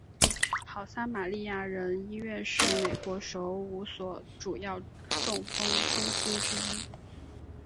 好撒玛利亚人医院是美国首五所主要中风中心之一。